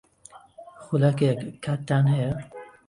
خولەکێک کاتتان ھەیە؟